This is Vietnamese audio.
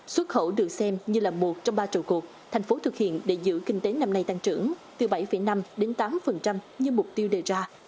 xuất khẩu được xem như là một trong ba trầu cuộc thành phố thực hiện để giữ kinh tế năm nay tăng trưởng từ bảy năm đến tám như mục tiêu đề ra